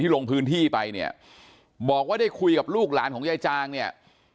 ลงพื้นที่ไปเนี่ยบอกว่าได้คุยกับลูกหลานของยายจางเนี่ย